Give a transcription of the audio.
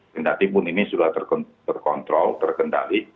dan hatipun ini sudah terkontrol terkendali